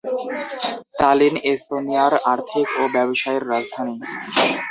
Tallinn এস্তোনিয়ার আর্থিক ও ব্যবসায়ের রাজধানী।